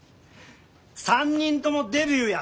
３人ともデビューや！